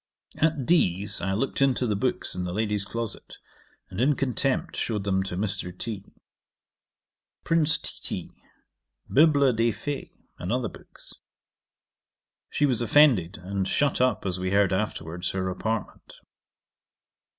'At D 's I looked into the books in the lady's closet, and, in contempt, shewed them to Mr. T. Prince Titi; Bibl. des Fées, and other books. She was offended, and shut up, as we heard afterwards, her apartment.